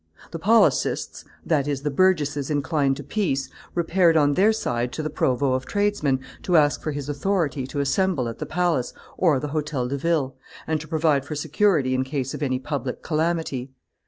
The policists, that is, the burgesses inclined to peace, repaired on their side to the provost of tradesmen to ask for his authority to assemble at the Palace or the Hotel de Ville, and to provide for security in case of any public calamity.